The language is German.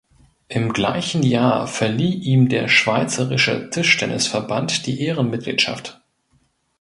Im gleichen Jahr verlieh ihm der Schweizerische Tischtennisverband die Ehrenmitgliedschaft.